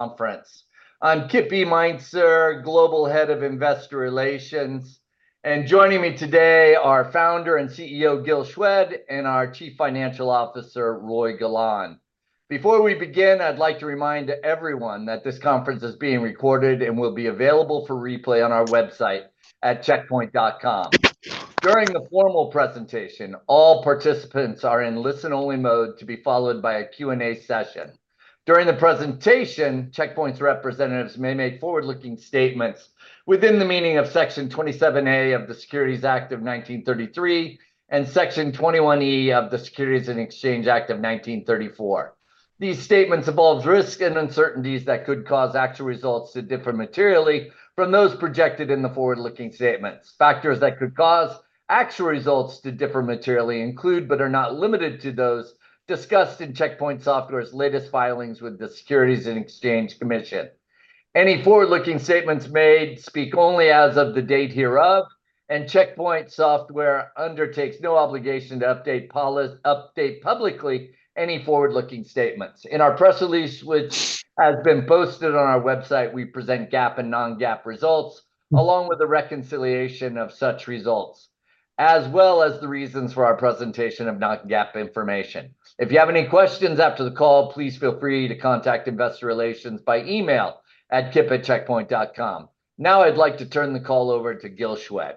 Conference. I'm Kip E. Meintzer, Global Head of Investor Relations, and joining me today are our Founder and CEO, Gil Shwed, and our Chief Financial Officer, Roei Golan. Before we begin, I'd like to remind everyone that this conference is being recorded and will be available for replay on our website at checkpoint.com. During the formal presentation, all participants are in listen-only mode, to be followed by a Q&A session. During the presentation, Check Point's representatives may make forward-looking statements within the meaning of Section 27A of the Securities Act of 1933, and Section 21E of the Securities and Exchange Act of 1934. These statements involve risks and uncertainties that could cause actual results to differ materially from those projected in the forward-looking statements. Factors that could cause actual results to differ materially include, but are not limited to, those discussed in Check Point Software's latest filings with the Securities and Exchange Commission. Any forward-looking statements made speak only as of the date hereof, and Check Point Software undertakes no obligation to update publicly any forward-looking statements. In our press release, which has been posted on our website, we present GAAP and non-GAAP results, along with a reconciliation of such results, as well as the reasons for our presentation of non-GAAP information. If you have any questions after the call, please feel free to contact Investor Relations by email at kip@checkpoint.com. Now, I'd like to turn the call over to Gil Shwed.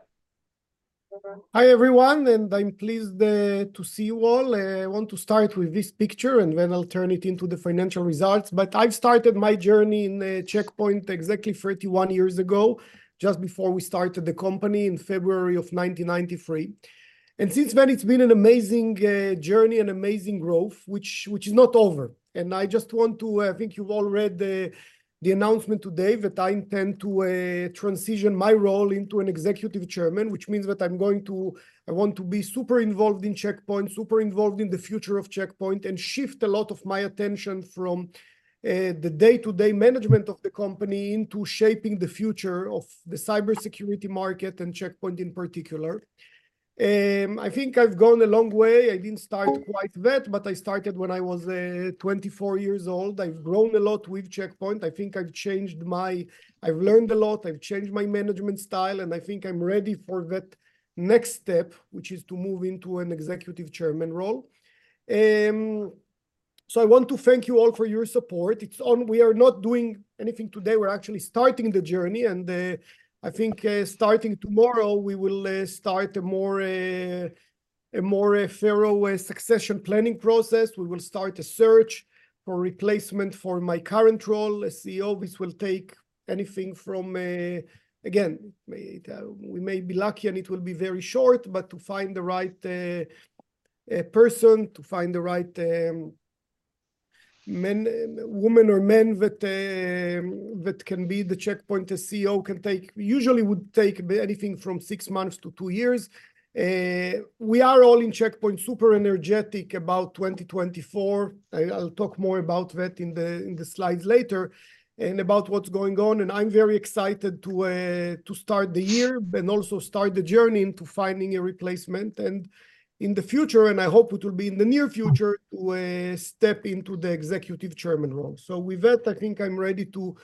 Hi, everyone, and I'm pleased to see you all. I want to start with this picture, and then I'll turn it into the financial results, but I've started my journey in Check Point exactly 31 years ago, just before we started the company in February of 1993, and since then, it's been an amazing journey and amazing growth, which is not over, and I just want to, I think you've all read the announcement today, that I intend to transition my role into an executive chairman, which means that I'm going to- I want to be super involved in Check Point, super involved in the future of Check Point, and shift a lot of my attention from the day-to-day management of the company into shaping the future of the cybersecurity market and Check Point in particular. I think I've gone a long way. I didn't start quite that, but I started when I was 24 years old. I've grown a lot with Check Point. I think I've changed my-- I've learned a lot, I've changed my management style, and I think I'm ready for that next step, which is to move into an executive chairman role. I want to thank you all for your support. It's on- we are not doing anything today, we're actually starting the journey, and I think starting tomorrow, we will start a more thorough succession planning process. We will start a search for replacement for my current role as CEO, which will take anything from, again, we may be lucky and it will be very short, but to find the right person, man, woman or man that can be the Check Point CEO can take - usually would take anything from six months to two years. We are all in Check Point, super energetic about 2024. I'll talk more about that in the slides later, and about what's going on, and I'm very excited to start the year, but also start the journey into finding a replacement and in the future, and I hope it will be in the near future, step into the executive chairman role. With that, I think I'm ready to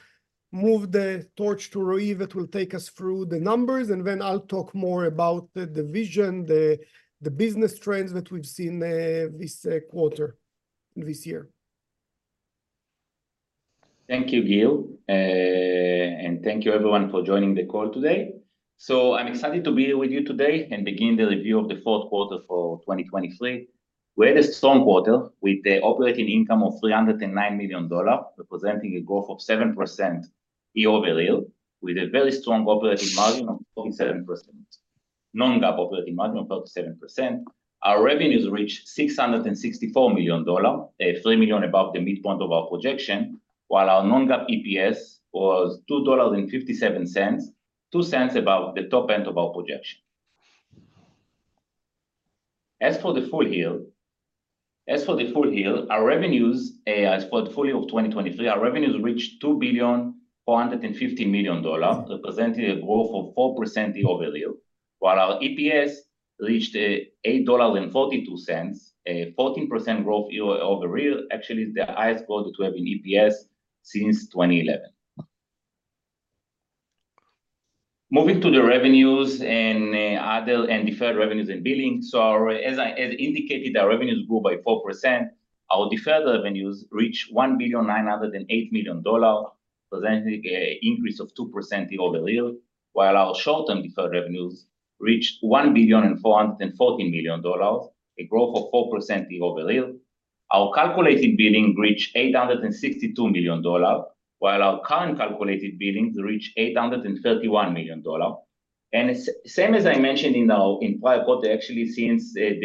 move the torch to Roei, that will take us through the numbers, and then I'll talk more about the, the vision, the, the business trends that we've seen, this quarter, this year. Thank you, Gil, and thank you everyone for joining the call today. I'm excited to be here with you today and begin the review of the fourth quarter for 2023. We had a strong quarter, with a operating income of $309 million, representing a growth of 7% year-over-year, with a very strong operating margin of 47%, non-GAAP operating margin of about 7%. Our revenues reached $664 million, $3 million above the midpoint of our projection, while our non-GAAP EPS was $2.57, 2 cents above the top end of our projection. As for the full year, our revenues for the full year of 2023 reached $2.45 billion, representing a growth of 4% year-over-year, while our EPS reached $8.42, a 14% growth year-over-year. Actually, the highest quarterly EPS since 2011. Moving to the revenues and other deferred revenues and billing. As indicated, our revenues grew by 4%. Our deferred revenues reached $1.908 billion, representing an increase of 2% year-over-year, while our short-term deferred revenues reached $1.414 billion, a growth of 4% year-over-year. Our calculated billing reached $862 million, while our current calculated billing reached $831 million. Same as I mentioned in our in prior quarter, actually, since I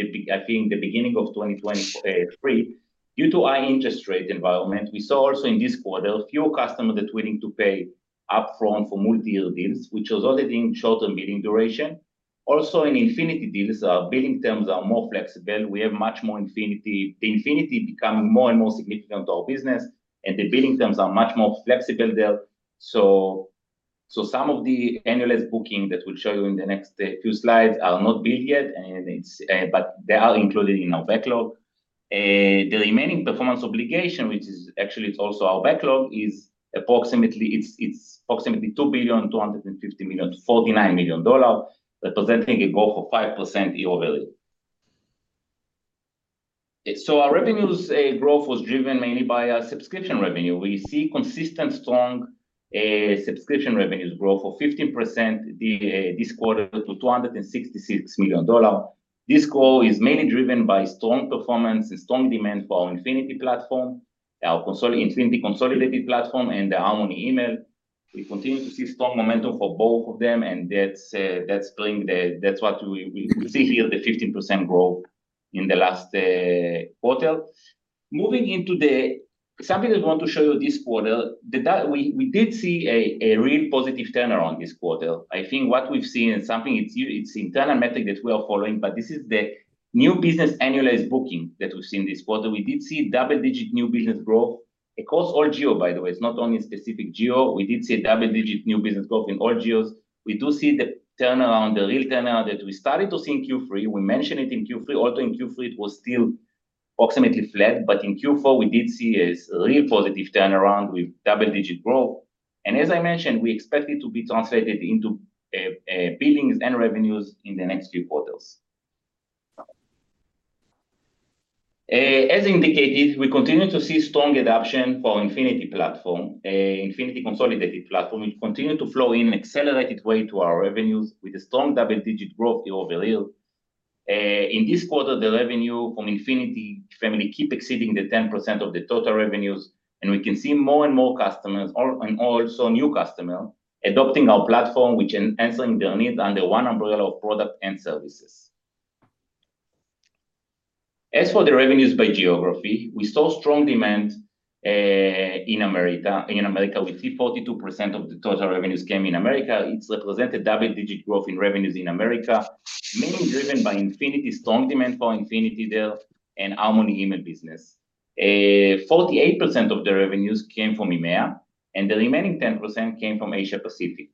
think the beginning of 2023, due to high interest rate environment, we saw also in this quarter a few customers that willing to pay upfront for multi-year deals, which has already been short-term billing duration. Also, in Infinity deals, our billing terms are more flexible. We have much more Infinity—the Infinity becoming more and more significant to our business, and the billing terms are much more flexible there. - Some of the annualized booking that we'll show you in the next two slides are not billed yet, and it's but they are included in our backlog. The remaining performance obligation, which is actually it's also our backlog, is approximately $2.254 billion, representing a growth of 5% year-over-year. Our revenues growth was driven mainly by our subscription revenue. We see consistent, strong subscription revenues growth of 15% this quarter to $266 million. This growth is mainly driven by strong performance and strong demand for our Infinity platform, our console, Infinity Consolidated Platform, and the Harmony Email. We continue to see strong momentum for both of them, and that's driving the, that's what we see here, the 15% growth in the last quarter. Moving into the—something I want to show you this quarter, we did see a real positive turnaround this quarter. I think what we've seen, and something, it's internal metric that we are following, but this is the new business annualized booking that we've seen this quarter. We did see double-digit new business growth. Across all geo, by the way, it's not only specific geo. We did see double-digit new business growth in all geos. We do see the turnaround, the real turnaround, that we started to see in Q3. We mentioned it in Q3. Although in Q3, it was still approximately flat, but in Q4, we did see a real positive turnaround with double-digit growth. As I mentioned, we expect it to be translated into billings and revenues in the next few quarters. As indicated, we continue to see strong adoption for Infinity Platform. Infinity Consolidated Platform will continue to flow in accelerated way to our revenues, with a strong double-digit growth year-over-year. In this quarter, the revenue from Infinity family keep exceeding the 10% of the total revenues, and we can see more and more customers, and also new customer, adopting our platform, which enhancing their needs under one umbrella of product and services. As for the revenues by geography, we saw strong demand in America. In America, we see 42% of the total revenues came in America. It's represented double-digit growth in revenues in America, mainly driven by Infinity, strong demand for Infinity there and Harmony Email business. 48% of the revenues came from EMEA, and the remaining 10% came from Asia Pacific.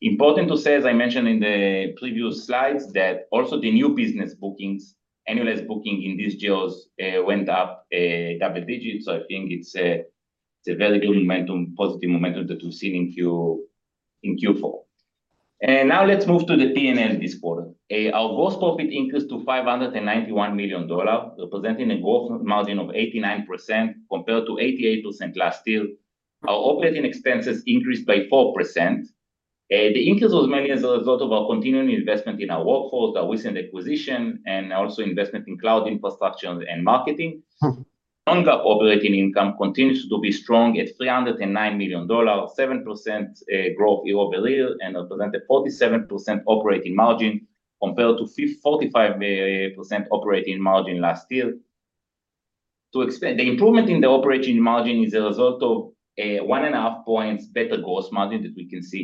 Important to say, as I mentioned in the previous slides, that also the new business bookings, annualized booking in these geos, went up double digits. I think it's a, it's a very good momentum, positive momentum that we've seen in Q4. Now let's move to the P&L this quarter. Our gross profit increased to $591 million, representing a gross margin of 89%, compared to 88% last year. Our operating expenses increased by 4%, the increase was mainly as a result of our continuing investment in our workforce, our recent acquisition, and also investment in cloud infrastructure and marketing. Non-GAAP operating income continues to be strong at $309 million, 7% growth year-over-year, and represented 47% operating margin, compared to forty-five percent operating margin last year. To explain, the improvement in the operating margin is a result of a 1.5 points better gross margin, that we can see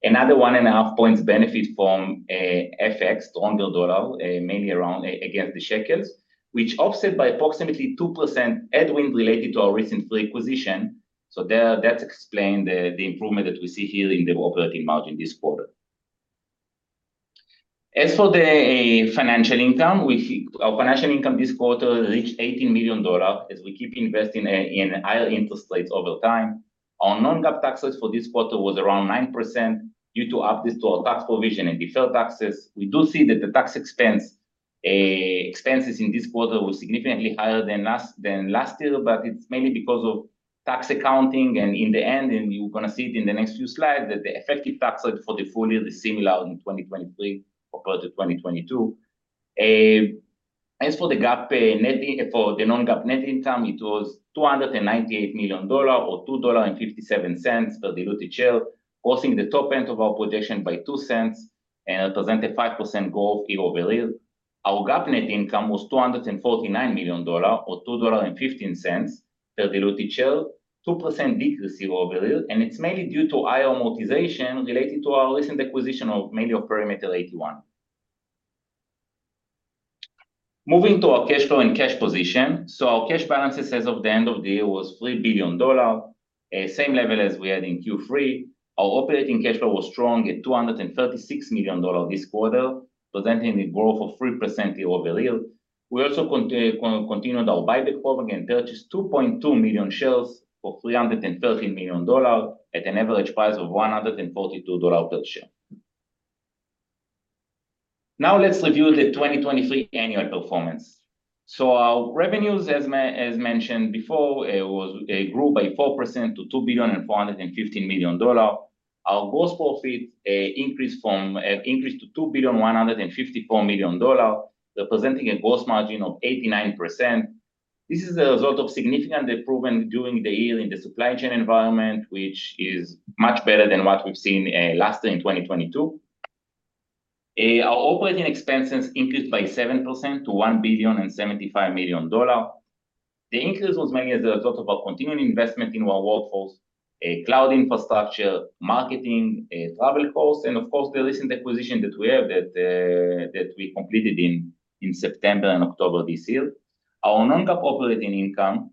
here. Another 1.5 points benefit from FX, stronger dollar, mainly around against the shekels, which offset by approximately 2% headwind related to our recent acquisition. That explains the improvement that we see here in the operating margin this quarter. As for the financial income, our financial income this quarter reached $18 million, as we keep investing in higher interest rates over time. Our non-GAAP taxes for this quarter was around 9% due to updates to our tax provision and deferred taxes. We do see that the tax expense, expenses in this quarter were significantly higher than last year, but it's mainly because of tax accounting, and in the end, and you're gonna see it in the next few slides, that the effective tax rate for the full year is similar in 2023 compared to 2022. As for the GAAP, for the non-GAAP net income, it was $298 million, or $2.57 per diluted share, crossing the top end of our projection by $0.02 and it presented 5% growth year-over-year. Our GAAP net income was $249 million, or $2.15 per diluted share, 2% decrease year-over-year, and it's mainly due to intangible amortization related to our recent acquisition of, mainly of Perimeter 81. Moving to our cash flow and cash position. Our cash balances as of the end of the year was $3 billion, same level as we had in Q3. Our operating cash flow was strong at $236 million this quarter, presenting a growth of 3% year-over-year. We also continued our buyback program and purchased 2.2 million shares for $313 million, at an average price of $142 per share. Now, let's review the 2023 annual performance. Our revenues, as mentioned before, grew by 4% to $2.115 billion. Our gross profit increased to $2.154 billion, representing a gross margin of 89%. This is a result of significant improvement during the year in the supply chain environment, which is much better than what we've seen last year in 2022. Our operating expenses increased by 7% to $1.075 billion. The increase was mainly as a result of our continuing investment in our workforce, cloud infrastructure, marketing, travel costs, and of course, the recent acquisition that we have, that we completed in September and October this year. Our non-GAAP operating income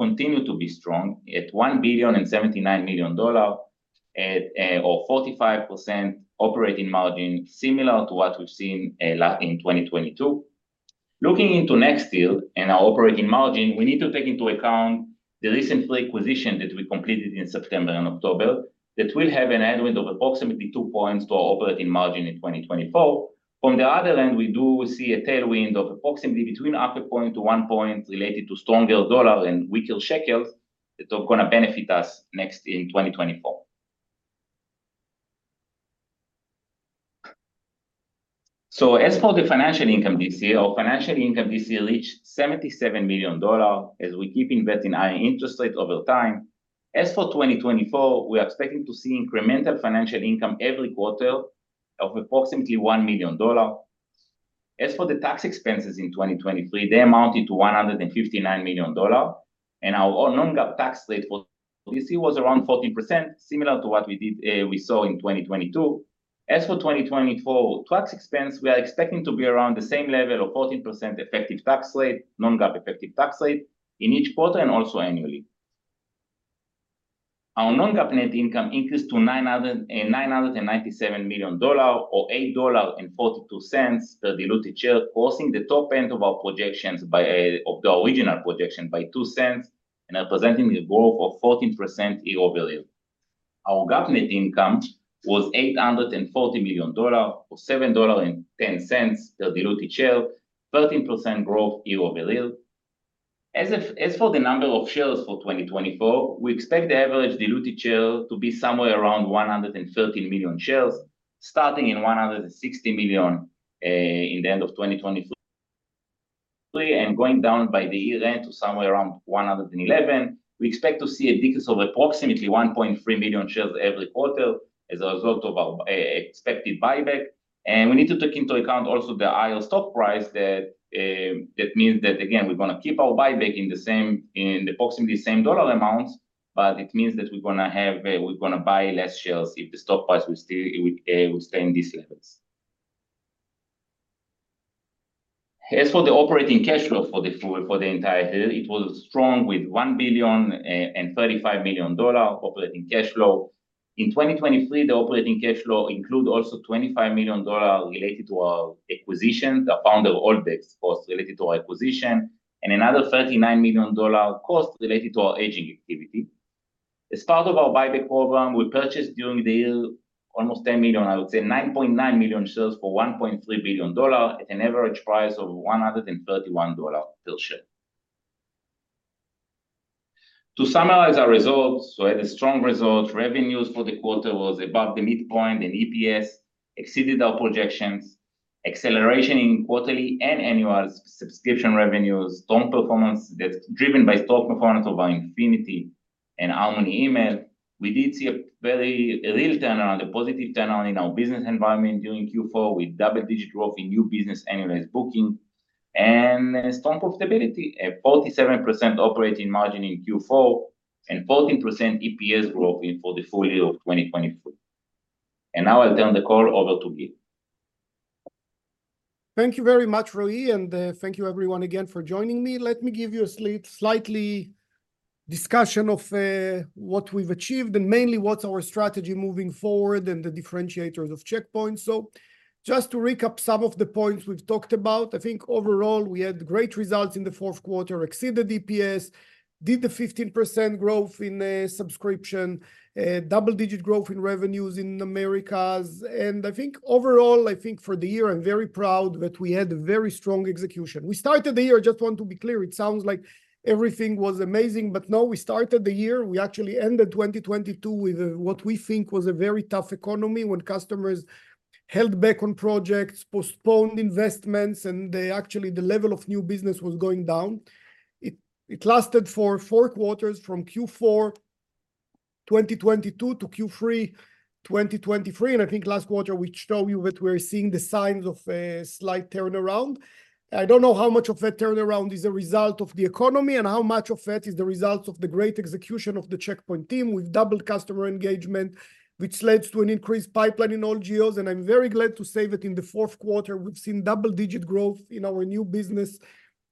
continue to be strong, at $1.079 billion, or 45% operating margin, similar to what we've seen in 2022. Looking into next year and our operating margin, we need to take into account the recent acquisition that we completed in September and October, that will have a headwind of approximately two points to our operating margin in 2024. On the other hand, we do see a tailwind of approximately between 0.5 point to 1 point related to stronger dollar and weaker shekels, that are gonna benefit us next year, in 2024. As for the financial income this year, our financial income this year reached $77 million, as we keep investing higher interest rates over time. As for 2024, we are expecting to see incremental financial income every quarter, of approximately $1 million. As for the tax expenses in 2023, they amounted to $159 million, and our non-GAAP tax rate for this year was around 14%, similar to what we did, we saw in 2022. As for 2024 tax expense, we are expecting to be around the same level of 14% effective tax rate, non-GAAP effective tax rate, in each quarter and also annually. Our non-GAAP net income increased to $997 million, or $8.42 per diluted share, crossing the top end of our projections by of the original projection by $0.02, and representing a growth of 14% year-over-year. Our GAAP net income was $840 million, or $7.10 per diluted share, 13% growth year-over-year. As for the number of shares for 2024, we expect the average diluted share to be somewhere around 113 million shares, starting in 160 million, in the end of 2023, and going down by the year end to somewhere around 111. We expect to see a decrease of approximately 1.3 million shares every quarter, as a result of our expected buyback. We need to take into account also the higher stock price that means that, again, we're gonna keep our buyback in the approximately same dollar amounts, but it means that we're gonna have, we're gonna buy less shares if the stock price will still, it will, will stay in these levels. As for the operating cash flow for the full, for the entire year, it was strong, with $1.035 billion operating cash flow. In 2023, the operating cash flow include also $25 million related to our acquisition, the vendor holdback costs related to our acquisition, and another $39 million cost related to our ongoing activity. As part of our buyback program, we purchased during the year, almost 10 million, I would say 9.9 million shares for $1.3 billion, at an average price of $131 per share. To summarize our results, we had a strong result. Revenues for the quarter was above the midpoint, and EPS exceeded our projections. Acceleration in quarterly and annual subscription revenues, strong performance that's driven by strong performance of our Infinity and Harmony email. We did see a very, a real turnaround, a positive turnaround in our business environment during Q4, with double-digit growth in new business annualized booking and strong profitability at 47% operating margin in Q4, and 14% EPS growth for the full year of 2024. Now I turn the call over to Gil. Thank you very much, Roei, and thank you everyone again for joining me. Let me give you a slightly discussion of what we've achieved, and mainly what's our strategy moving forward, and the differentiators of Check Point. Just to recap some of the points we've talked about, I think overall we had great results in the fourth quarter, exceeded EPS, did the 15% growth in subscription, double-digit growth in revenues in Americas, and I think overall, I think for the year, I'm very proud that we had a very strong execution. We started the year, I just want to be clear, it sounds like everything was amazing, but no, we started the year, we actually ended 2022 with what we think was a very tough economy, when customers held back on projects, postponed investments, and they actually, the level of new business was going down. It lasted for four quarters, from Q4 2022 to Q3 2023, and I think last quarter we showed you that we're seeing the signs of a slight turnaround. I don't know how much of that turnaround is a result of the economy, and how much of that is the result of the great execution of the Check Point team. We've doubled customer engagement, which leads to an increased pipeline in all geos, and I'm very glad to say that in the fourth quarter, we've seen double-digit growth in our new business.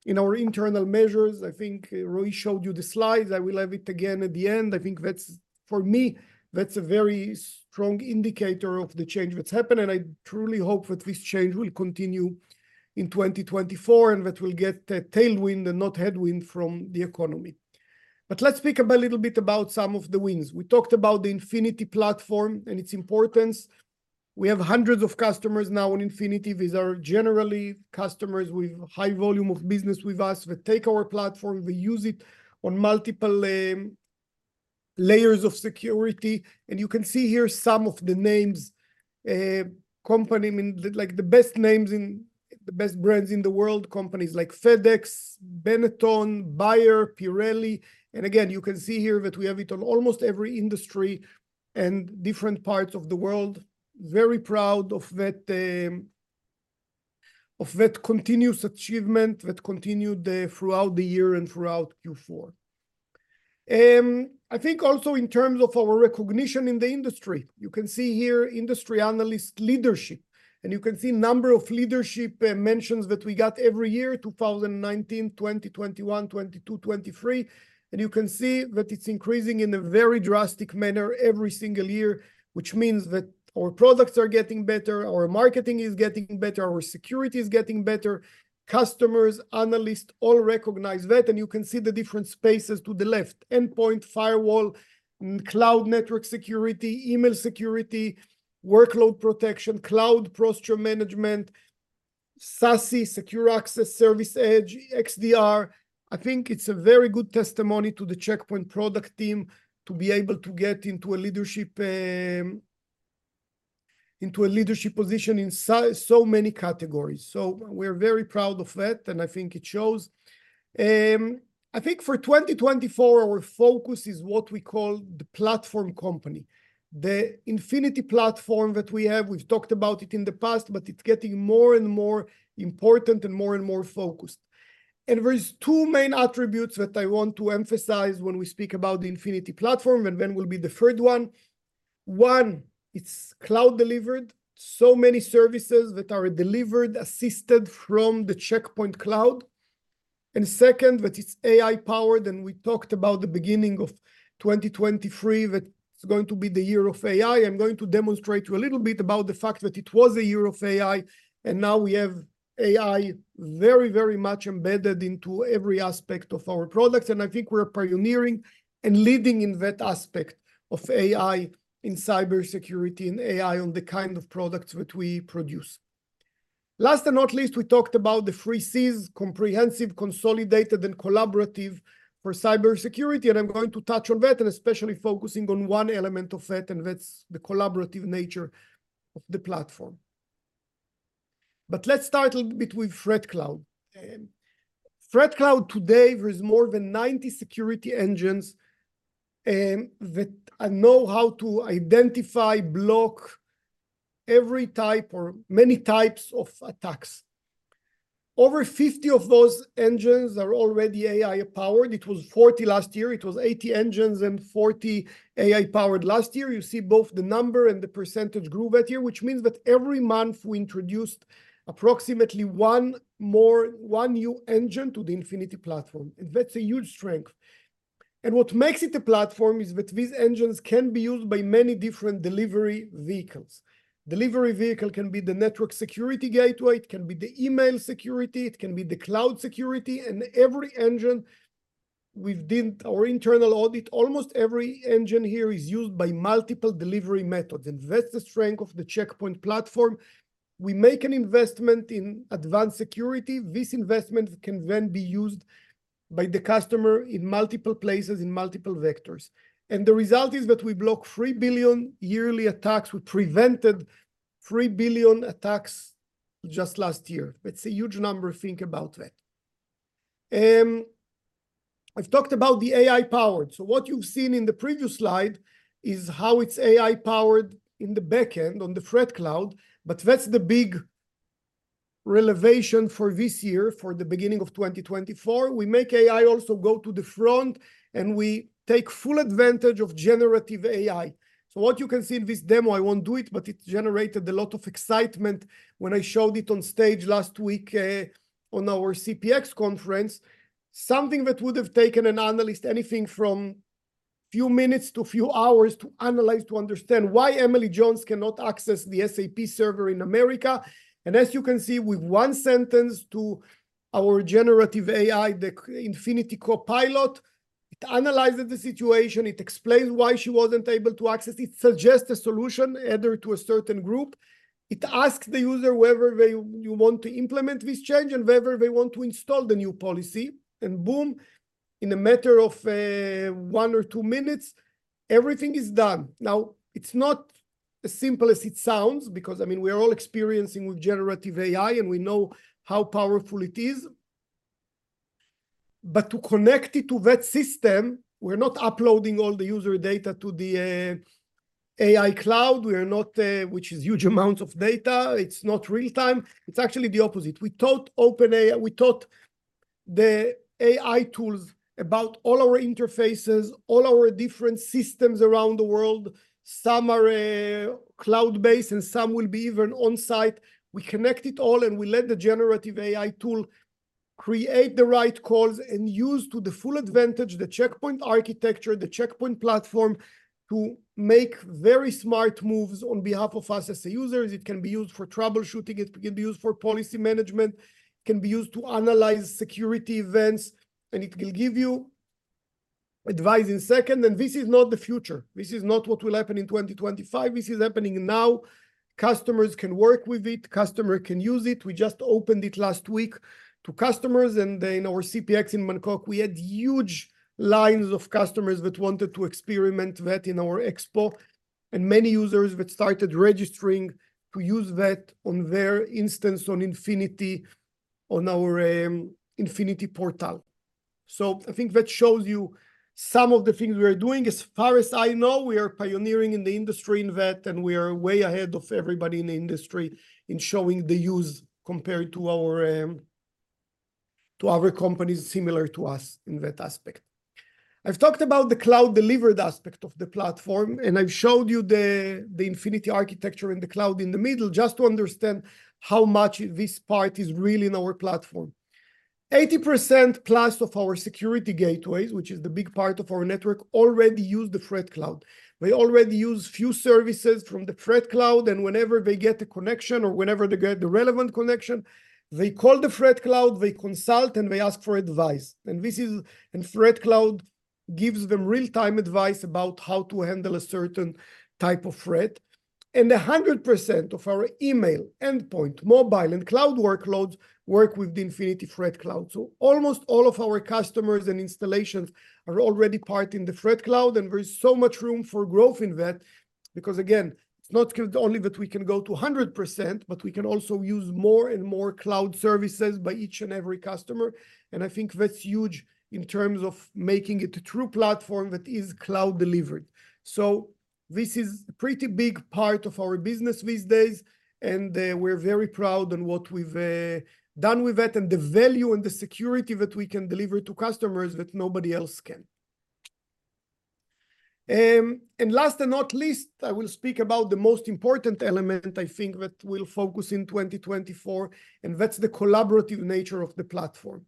In our internal measures, I think Roei showed you the slides, I will have it again at the end. I think that's, for me, that's a very strong indicator of the change that's happened, and I truly hope that this change will continue in 2024, and that we'll get a tailwind and not headwind from the economy, but let's speak about a little bit about some of the wins. We talked about the Infinity platform and its importance. We have hundreds of customers now on Infinity. These are generally customers with high volume of business with us, that take our platform, they use it on multiple layers of security and you can see here some of the names, company names, like the best names in the best brands in the world. Companies like FedEx, Benetton, Bayer, Pirelli, and again, you can see here that we have it on almost every industry and different parts of the world. Very proud of that, of that continuous achievement that continued throughout the year and throughout Q4. I think also in terms of our recognition in the industry, you can see here industry analyst leadership, and you can see number of leadership mentions that we got every year, 2019, 2021, 2022, 2023. You can see that it's increasing in a very drastic manner every single year, which means that our products are getting better, our marketing is getting better, our security is getting better. Customers, analysts, all recognize that, and you can see the different spaces to the left: endpoint, firewall, cloud network security, email security, workload protection, cloud posture management, SASE, Secure Access Service Edge, XDR. I think it's a very good testimony to the Check Point product team to be able to get into a leadership position in so many categories. We're very proud of that, and I think it shows. I think for 2024, our focus is what we call the platform company. The Infinity platform that we have, we've talked about it in the past, but it's getting more and more important and more and more focused. There is two main attributes that I want to emphasize when we speak about the Infinity platform, and then will be the third one. One, it's cloud delivered, so many services that are delivered, assisted from the Check Point cloud. Second, that it's AI powered, and we talked about the beginning of 2023, that it's going to be the year of AI. I'm going to demonstrate to you a little bit about the fact that it was a year of AI, and now we have AI very, very much embedded into every aspect of our products, and I think we're pioneering and leading in that aspect of AI in cybersecurity and AI on the kind of products that we produce. Last but not least, we talked about the three C's: comprehensive, consolidated, and collaborative for cybersecurity. I'm going to touch on that and especially focusing on one element of that, and that's the collaborative nature of the platform, but let's start a little bit with ThreatCloud. ThreatCloud today, there is more than 90 security engines that are know how to identify, block every type or many types of attacks. Over 50 of those engines are already AI powered. It was 40 last year. It was 80 engines and 40 AI powered last year. You see both the number and the percentage grew that year, which means that every month we introduced approximately one new engine to the Infinity platform, and that's a huge strength. What makes it a platform is that these engines can be used by many different delivery vehicles. Delivery vehicle can be the network security gateway, it can be the email security, it can be the cloud security, and every engine, we've did our internal audit, almost every engine here is used by multiple delivery methods, and that's the strength of the Check Point platform. We make an investment in advanced security. This investment can then be used by the customer in multiple places, in multiple vectors. The result is that we block 3 billion yearly attacks. We prevented 3 billion attacks just last year. That's a huge number. Think about that. I've talked about the AI-powered, so what you've seen in the previous slide is how it's AI-powered in the back end on the ThreatCloud, but that's the big revelation for this year, for the beginning of 2024. We make AI also go to the front, and we take full advantage of generative AI. What you can see in this demo, I won't do it, but it generated a lot of excitement when I showed it on stage last week, on our CPX conference. Something that would have taken an analyst anything from few minutes to few hours to analyze, to understand why Emily Jones cannot access the SAP server in America. As you can see, with one sentence to our generative AI, the Infinity Copilot, it analyzes the situation, it explains why she wasn't able to access it, suggests a solution, add her to a certain group. It asks the user whether they, you want to implement this change and whether they want to install the new policy, and boom, in a matter of 1 or 2 minutes, everything is done. Now, it's not as simple as it sounds because, I mean, we are all experiencing with generative AI, and we know how powerful it is, but to connect it to that system, we're not uploading all the user data to the AI cloud. We are not, which is huge amounts of data. It's not real time. It's actually the opposite. We taught the AI tools about all our interfaces, all our different systems around the world. me are, cloud-based, and some will be even on-site. We connect it all, and we let the generative AI tool create the right calls and use to the full advantage the Check Point architecture, the Check Point platform, to make very smart moves on behalf of us as the users. It can be used for troubleshooting, it can be used for policy management, it can be used to analyze security events, and it can give you advice in second. This is not the future. This is not what will happen in 2025. This is happening now. Customers can work with it, customer can use it. We just opened it last week to customers, and in our CPX in Bangkok, we had huge lines of customers that wanted to experiment that in our expo, and many users that started registering to use that on their instance on Infinity, on our Infinity portal. I think that shows you some of the things we are doing. As far as I know, we are pioneering in the industry in that, and we are way ahead of everybody in the industry in showing the use compared to other companies similar to us in that aspect. I've talked about the cloud-delivered aspect of the platform, and I've showed you the Infinity architecture and the cloud in the middle, just to understand how much this part is really in our platform. 80%-plus of our security gateways, which is the big part of our network, already use the ThreatCloud. They already use few services from the ThreatCloud, and whenever they get a connection or whenever they get the relevant connection, they call the ThreatCloud, they consult, and they ask for advice. ThreatCloud gives them real-time advice about how to handle a certain type of threat. 100% of our email, endpoint, mobile, and cloud workloads work with the Infinity ThreatCloud. Almost all of our customers and installations are already part in the ThreatCloud, and there is so much room for growth in that because, again, it's not only that we can go to 100%, but we can also use more and more cloud services by each and every customer, and I think that's huge in terms of making it a true platform that is cloud delivered. This is a pretty big part of our business these days, and we're very proud on what we've done with that and the value and the security that we can deliver to customers that nobody else can. Last but not least, I will speak about the most important element, I think, that we'll focus in 2024, and that's the collaborative nature of the platform.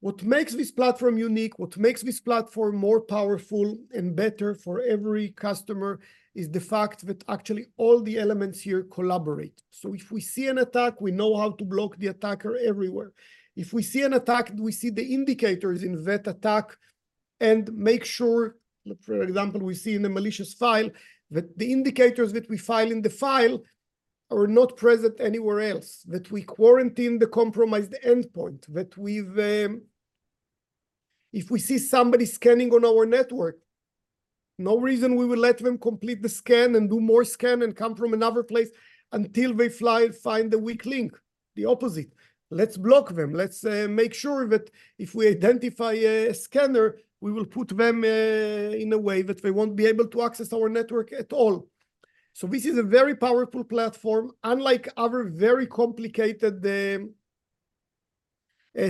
What makes this platform unique, what makes this platform more powerful and better for every customer, is the fact that actually all the elements here collaborate. If we see an attack, we know how to block the attacker everywhere. If we see an attack, we see the indicators in that attack and make sure, for example, we see in a malicious file, that the indicators that we file in the file are not present anywhere else, that we quarantine the compromised endpoint, that we've. If we see somebody scanning on our network, no reason we will let them complete the scan and do more scan and come from another place until they find the weak link. The opposite. Let's block them. Let's make sure that if we identify a scanner, we will put them in a way that they won't be able to access our network at all. This is a very powerful platform, unlike other very complicated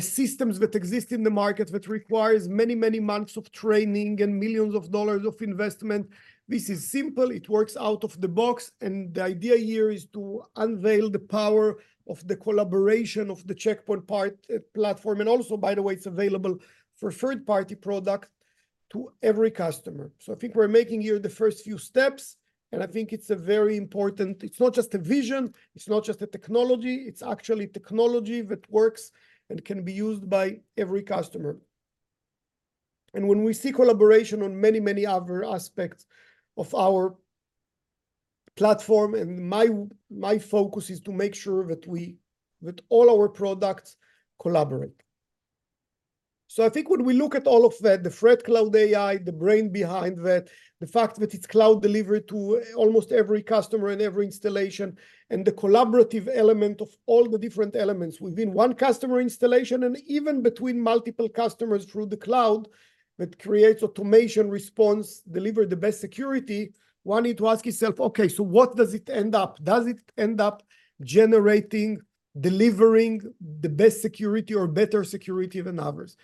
systems that exist in the market, which requires many, many months of training and millions of dollars of investment. This is simple. It works out of the box, and the idea here is to unveil the power of the collaboration of the Check Point platform, and also, by the way, it's available for third-party product to every customer. I think we're making here the first few steps, and I think it's a very important, it's not just a vision, it's not just a technology, it's actually technology that works and can be used by every customer. When we see collaboration on many, many other aspects of our platform, and my focus is to make sure that all our products collaborate. I think when we look at all of that, the ThreatCloud AI, the brain behind that, the fact that it's cloud delivered to almost every customer and every installation, and the collaborative element of all the different elements within one customer installation, and even between multiple customers through the cloud, that creates automation response, deliver the best security, one need to ask himself, Okay, so what does it end up? Does it end up generating, delivering the best security or better security than others?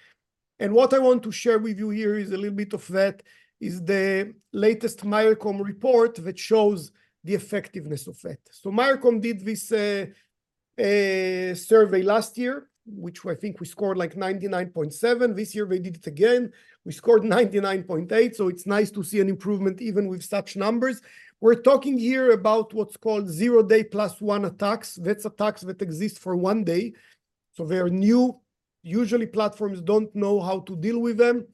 What I want to share with you here is a little bit of that, is the latest Miercom report that shows the effectiveness of it. Miercom did this survey last year, which I think we scored, like, 99.7%. This year, they did it again. We scored 99.8%, so it's nice to see an improvement, even with such numbers. We're talking here about what's called zero-day-plus-one attacks. That's attacks that exist for one day, so they are new. Usually, platforms don't know how to deal with them.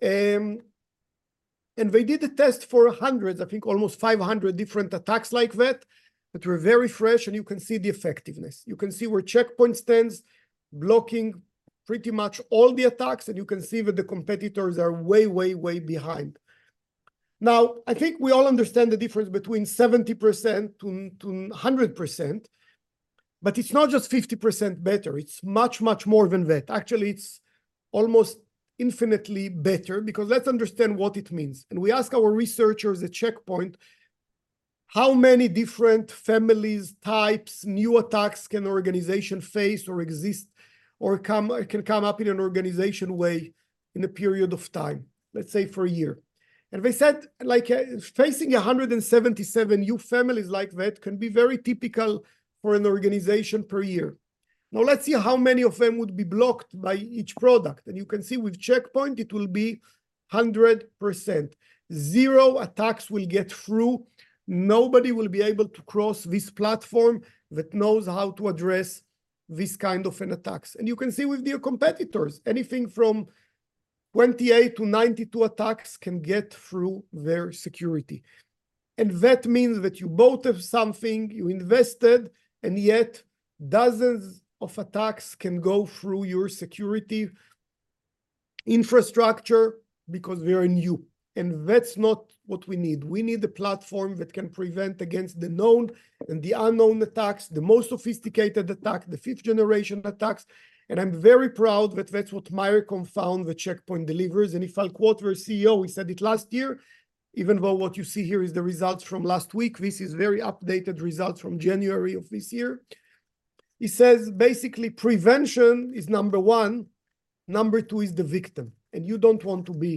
They did a test for hundreds, I think almost 500 different attacks like that, that were very fresh, and you can see the effectiveness. You can see where Check Point stands, blocking pretty much all the attacks, and you can see that the competitors are way, way, way behind. Now, I think we all understand the difference between 70%-100%, but it's not just 50% better. It's much, much more than that. Actually, it's almost infinitely better, because let's understand what it means. We ask our researchers at Check Point how many different families, types, new attacks can an organization face or come up in an organization in a period of time, let's say for a year? They said, like, facing 177 new families like that can be very typical for an organization per year. Now, let's see how many of them would be blocked by each product, and you can see with Check Point, it will be 100%. Zero attacks will get through. Nobody will be able to cross this platform that knows how to address this kind of an attacks. You can see with their competitors, anything from 28-92 attacks can get through their security, and that means that you bought something, you invested, and yet dozens of attacks can go through your security infrastructure because they are new, and that's not what we need. We need a platform that can prevent against the known and the unknown attacks, the most sophisticated attack, the 5th-generation attacks, and I'm very proud that that's what Miercom found that Check Point delivers. If I'll quote our CEO, he said it last year, even though what you see here is the results from last week, this is very updated results from January of this year. He says, basically, "Prevention is number one. Number two is the victim," and you don't want to be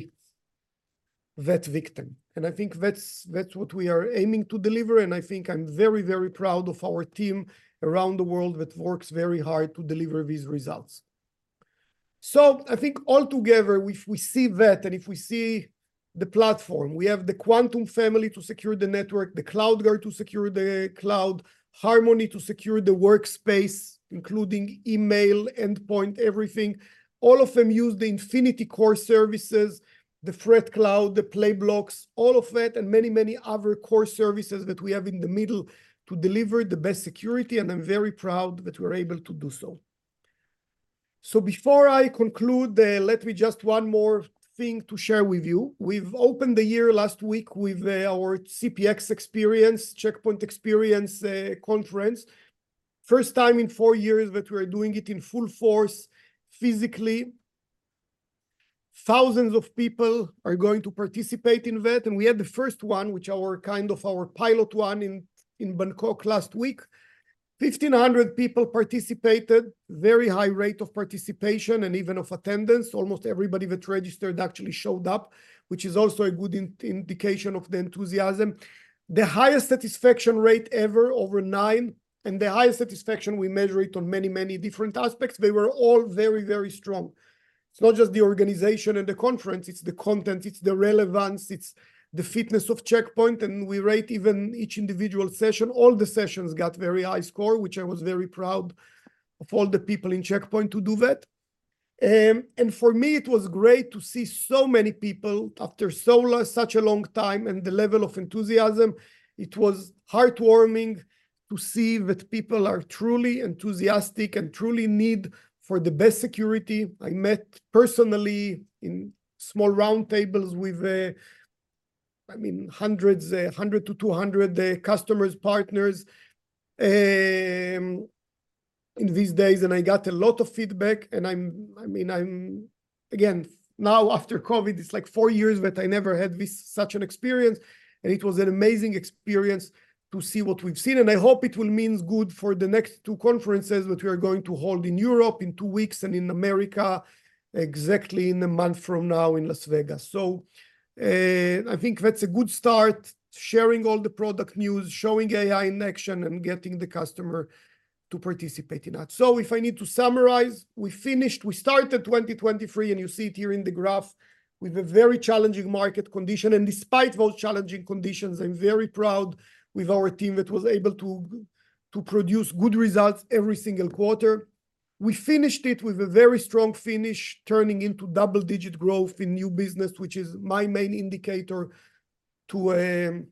that victim. I think that's, that's what we are aiming to deliver, and I think I'm very, very proud of our team around the world that works very hard to deliver these results. I think altogether, if we see that, and if we see the platform, we have the Quantum family to secure the network, the CloudGuard to secure the cloud, Harmony to secure the workspace, including email, endpoint, everything. All of them use the Infinity core services, the ThreatCloud, the Playblocks, all of that, and many, many other core services that we have in the middle to deliver the best security, and I'm very proud that we're able to do so. Before I conclude, let me just one more thing to share with you. We've opened the year last week with our CPX Experience, Check Point Experience conference. First time in four years that we're doing it in full force physically. Thousands of people are going to participate in that, and we had the first one, which was kind of our pilot one in Bangkok last week. 1,500 people participated, very high rate of participation and even of attendance. Almost everybody that registered actually showed up, which is also a good indication of the enthusiasm. The highest satisfaction rate ever, over nine, and the highest satisfaction, we measure it on many, many different aspects. They were all very, very strong. It's not just the organization and the conference, it's the content, it's the relevance, it's the fitness of Check Point, and we rate even each individual session. All the sessions got very high score, which I was very proud of all the people in Check Point to do that. For me, it was great to see so many people after such a long time, and the level of enthusiasm, it was heartwarming to see that people are truly enthusiastic and truly need for the best security. I met personally in small roundtables with, I mean, hundreds, 100-200 customers, partners, in these days, and I got a lot of feedback, and I mean, again, now after COVID, it's like four years that I never had this, such an experience, and it was an amazing experience to see what we've seen, and I hope it will means good for the next two conferences that we are going to hold in Europe in two weeks and in America, exactly in a month from now in Las Vegas. I think that's a good start, sharing all the product news, showing AI in action, and getting the customer to participate in that. If I need to summarize, we started 2023, and you see it here in the graph, with a very challenging market condition, and despite those challenging conditions, I'm very proud with our team that was able to produce good results every single quarter. We finished it with a very strong finish, turning into double-digit growth in new business, which is my main indicator to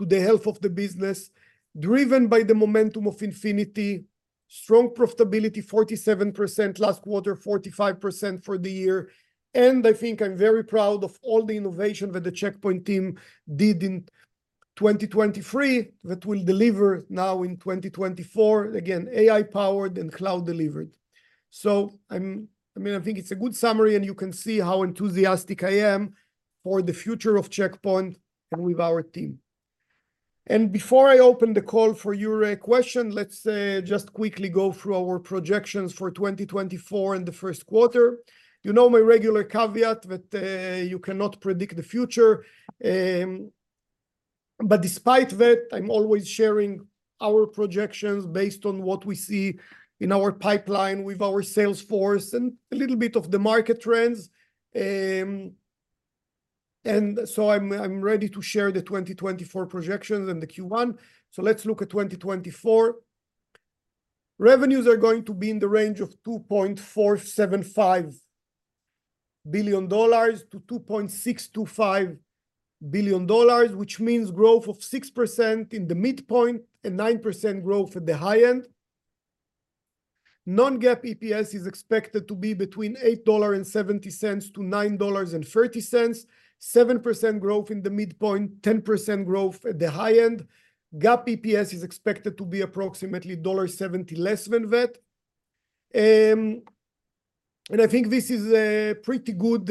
the health of the business, driven by the momentum of Infinity. Strong profitability, 47% last quarter, 45% for the year, and I think I'm very proud of all the innovation that the Check Point team did in 2023 that will deliver now in 2024. Again, AI-powered and cloud-delivered. I mean, I think it's a good summary, and you can see how enthusiastic I am for the future of Check Point and with our team. Before I open the call for your question, let's just quickly go through our projections for 2024 and the first quarter. You know my regular caveat that you cannot predict the future, but despite that, I'm always sharing our projections based on what we see in our pipeline with our sales force and a little bit of the market trends. I'm ready to share the 2024 projections and the Q1. Let's look at 2024. Revenues are going to be in the range of $2.475 billion-$2.625 billion, which means growth of 6% in the midpoint and 9% growth at the high end. Non-GAAP EPS is expected to be between $8.70-$9.30, 7% growth in the midpoint, 10% growth at the high end. GAAP EPS is expected to be approximately $1.70 less than that. I think this is pretty good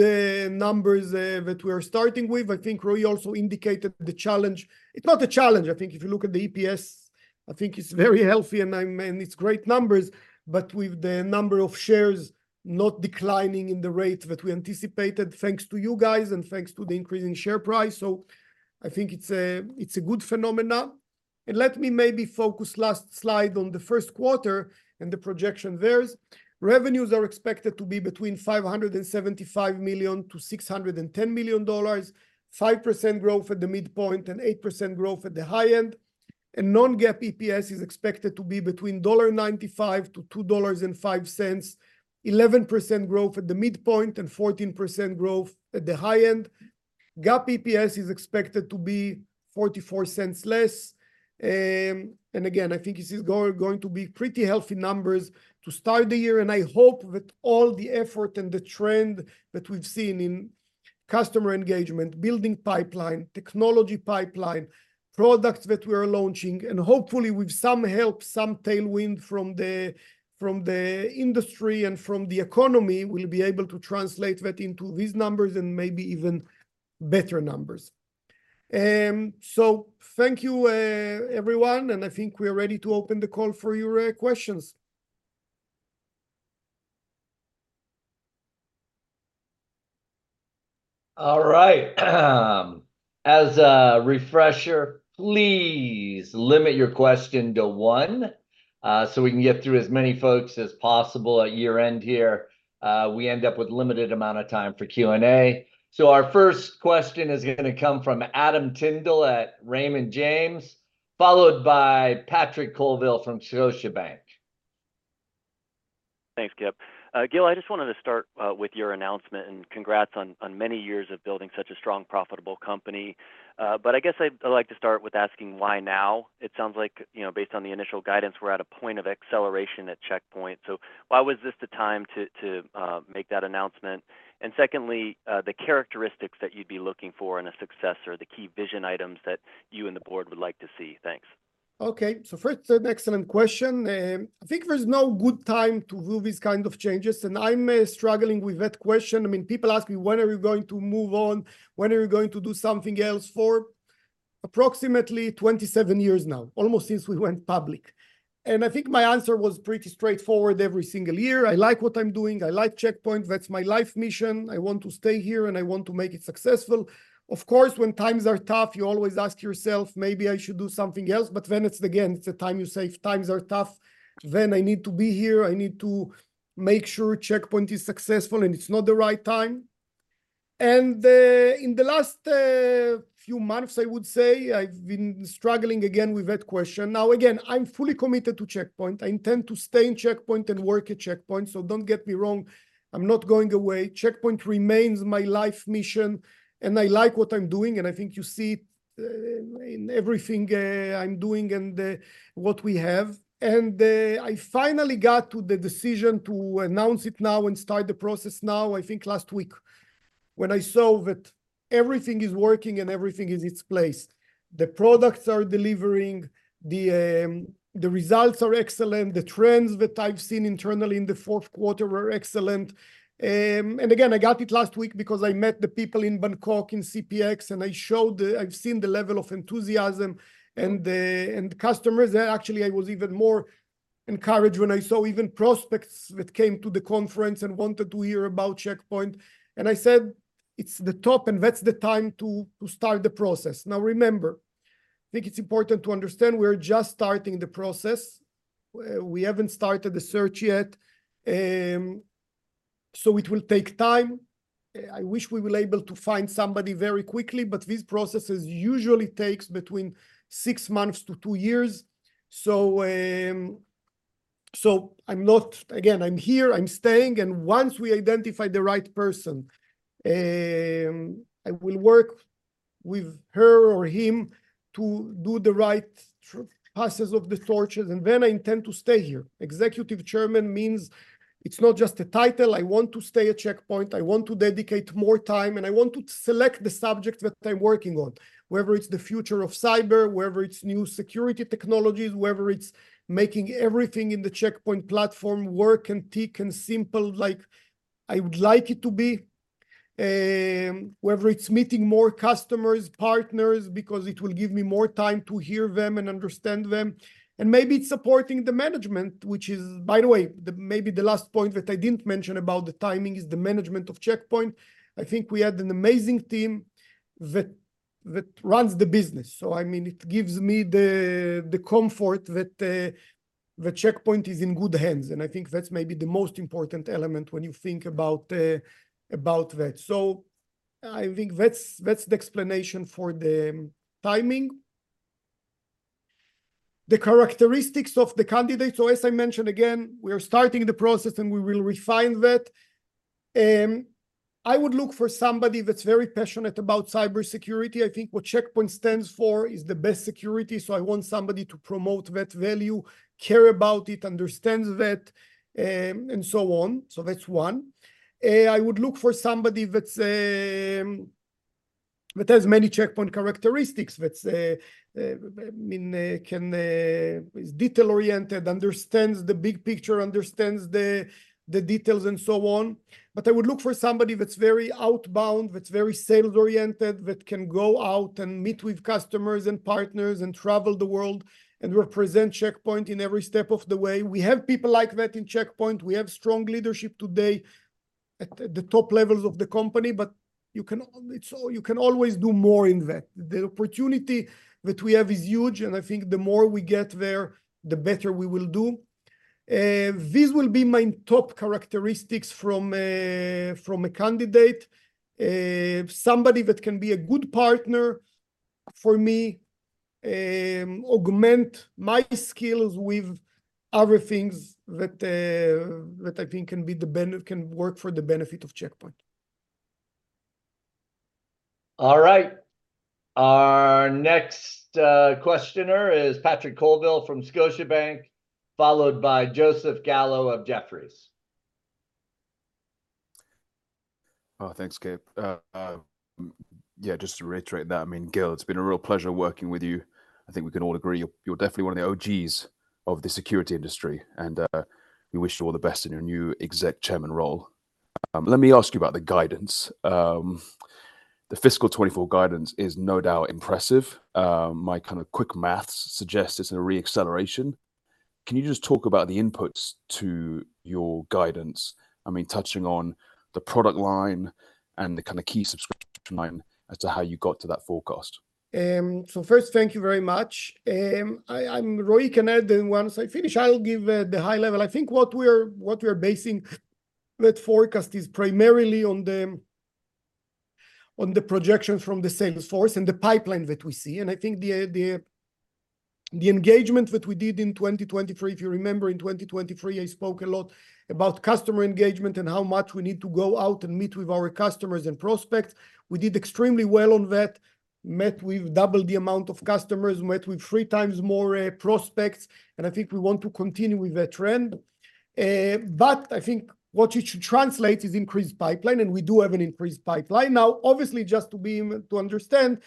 numbers that we are starting with. I think Roei also indicated the challenge. It's not a challenge. I think if you look at the EPS, I think it's very healthy, and it's great numbers, but with the number of shares not declining in the rate that we anticipated, thanks to you guys and thanks to the increase in share price, so I think it's a good phenomenon. Let me maybe focus last slide on the first quarter and the projection there. Revenues are expected to be between $575 million-$610 million, 5% growth at the midpoint and 8% growth at the high end, and non-GAAP EPS is expected to be between $1.95-$2.05, 11% growth at the midpoint and 14% growth at the high end. GAAP EPS is expected to be $0.44 less. Again, I think this is going to be pretty healthy numbers to start the year, and I hope that all the effort and the trend that we've seen in customer engagement, building pipeline, technology pipeline, products that we are launching, and hopefully with some help, some tailwind from the industry and from the economy, we'll be able to translate that into these numbers and maybe even better numbers. Thank you, everyone, and I think we are ready to open the call for your questions. All right, as a refresher, please limit your question to one, so we can get through as many folks as possible at year-end here. We end up with limited amount of time for Q&A. Our first question is going to come from Adam Tindle at Raymond James, followed by Patrick Colville from Scotiabank. Thanks, Kip. Gil, I just wanted to start with your announcement, and congrats on many years of building such a strong, profitable company, but I guess I'd like to start with asking why now? It sounds like, you know, based on the initial guidance, we're at a point of acceleration at Check Point, so why was this the time to make that announcement? Secondly, the characteristics that you'd be looking for in a successor, the key vision items that you and the board would like to see. Thanks. Okay, so first, an excellent question. I think there's no good time to do these kind of changes, and I'm struggling with that question. I mean, people ask me, "When are you going to move on? When are you going to do something else?" For approximately 27 years now, almost since we went public, and I think my answer was pretty straightforward every single year, I like what I'm doing, I like Check Point. That's my life mission. I want to stay here and I want to make it successful. Of course, when times are tough, you always ask yourself, maybe I should do something else, but then it's, again, it's the time you say, if times are tough, then I need to be here. I need to make sure Check Point is successful and it's not the right time. In the last few months, I would say I've been struggling again with that question. Now, again, I'm fully committed to Check Point. I intend to stay in Check Point and work at Check Point, so don't get me wrong, I'm not going away. Check Point remains my life mission, and I like what I'm doing, and I think you see it in everything I'm doing and what we have. I finally got to the decision to announce it now and start the process now, I think last week, when I saw that everything is working and everything is in its place. The products are delivering, the results are excellent. The trends that I've seen internally in the fourth quarter were excellent. Again, I got it last week because I met the people in Bangkok, in CPX, and I've seen the level of enthusiasm and customers. Actually, I was even more encouraged when I saw even prospects that came to the conference and wanted to hear about Check Point. I said, "It's the top, and that's the time to start the process." Now, remember, I think it's important to understand we're just starting the process. We haven't started the search yet, so it will take time. I wish we were able to find somebody very quickly, but this process usually takes between six months to two years., I'm not—again, I'm here, I'm staying, and once we identify the right person, I will work with her or him to do the right passing of the torches, and then I intend to stay here. Executive Chairman means it's not just a title. I want to stay at Check Point, I want to dedicate more time, and I want to select the subject that I'm working on, whether it's the future of cyber, whether it's new security technologies, whether it's making everything in the Check Point platform work and tick and simple, like I would like it to be. Whether it's meeting more customers, partners, because it will give me more time to hear them and understand them, and maybe it's supporting the management, which is, by the way, maybe the last point that I didn't mention about the timing is the management of Check Point. I think we have an amazing team that runs the business. I mean, it gives me the comfort that Check Point is in good hands, and I think that's maybe the most important element when you think about that. I think that's the explanation for the timing. The characteristics of the candidate, so as I mentioned, again, we are starting the process and we will refine that. I would look for somebody that's very passionate about cybersecurity. I think what Check Point stands for is the best security, so I want somebody to promote that value, care about it, understands that, and so on. That's one. I would look for somebody that's that has many Check Point characteristics, that I mean can is detail-oriented, understands the big picture, understands the details, and so on, but I would look for somebody that's very outbound, that's very sales-oriented, that can go out and meet with customers and partners and travel the world, and represent Check Point in every step of the way. We have people like that in Check Point. We have strong leadership today at the top levels of the company, but you can also always do more in that. The opportunity that we have is huge, and I think the more we get there, the better we will do. These will be my top characteristics from a candidate. mebody that can be a good partner for me, augment my skills with other things that I think can work for the benefit of Check Point. All right. Our next questioner is Patrick Colville from Scotiabank, followed by Joseph Gallo of Jefferies. Oh, thanks, Kip. Yeah, just to reiterate that, I mean, Gil, it's been a real pleasure working with you. I think we can all agree, you're, you're definitely one of the OGs of the security industry, and we wish you all the best in your new exec chairman role. Let me ask you about the guidance. The fiscal 2024 guidance is no doubt impressive. My kind of quick math suggests it's a re-acceleration. Can you just talk about the inputs to your guidance, I mean, touching on the product line and the kind of key subscription line as to how you got to that forecast? First, thank you very much. I'm Roei, can add, and once I finish, I'll give the high level. I think what we're basing that forecast is primarily on the projections from the sales force and the pipeline that we see, and I think the engagement that we did in 2023, if you remember in 2023, I spoke a lot about customer engagement and how much we need to go out and meet with our customers and prospects. We did extremely well on that, met with double the amount of customers, met with three times more prospects, and I think we want to continue with that trend, but I think what it should translate is increased pipeline, and we do have an increased pipeline. Now, obviously, to understand,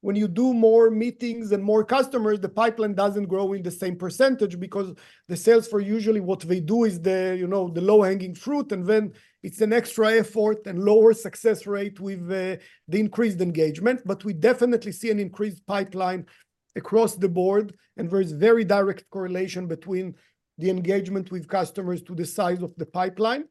when you do more meetings and more customers, the pipeline doesn't grow in the same percentage, because the sales for usually what they do is the, you know, the low-hanging fruit, and then it's an extra effort and lower success rate with the increased engagement, but we definitely see an increased pipeline across the board, and there is very direct correlation between the engagement with customers to the size of the pipeline.